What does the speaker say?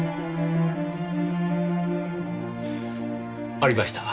ありました。